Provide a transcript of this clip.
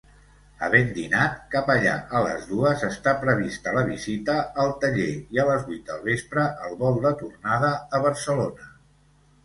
Havent dinat, cap allà a les dues, està prevista la visita al taller i a les vuit del vespre, el vol de tornada a Barcelona.